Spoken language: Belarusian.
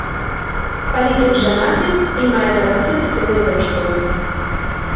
Палітык жанаты і мае дарослых сына і дачку.